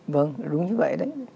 vâng đúng như vậy đấy